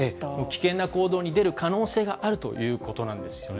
危険な行動に出る可能性があるということなんですよね。